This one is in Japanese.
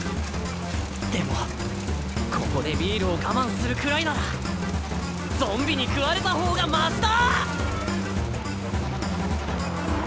でもここでビールを我慢するくらいならゾンビに食われた方がましだ！